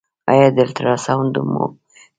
ایا الټراساونډ مو کړی دی؟